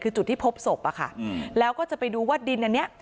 คือจุดที่พบศพอะค่ะแล้วก็จะไปดูว่าดินอันนี้